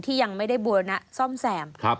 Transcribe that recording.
ที่ยังไม่ได้บัวนะซ่อมแซม